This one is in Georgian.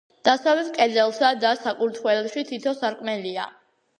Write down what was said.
დასავლეთ კედელსა და საკურთხეველში თითო სარკმელია.